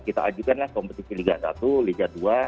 kita ajukanlah kompetisi liga satu liga dua